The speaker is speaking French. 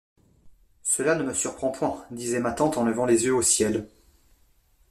Cela ne me surprend point, disait ma tante en levant les yeux au ciel.